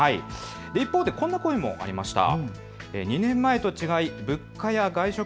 一方でこんな声もありました。